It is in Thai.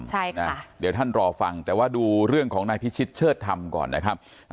ใช่ค่ะเดี๋ยวท่านรอฟังแต่ว่าดูเรื่องของนายพิชิตเชิดธรรมก่อนนะครับ